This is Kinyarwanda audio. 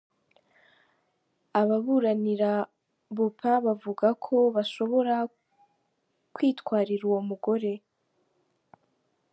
Ababuranira Baupin bavuga ko bashobora kwitwariura uwo mugore.